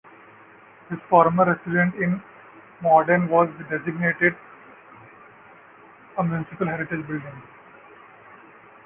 His former residence in Morden was designated a municipal heritage building.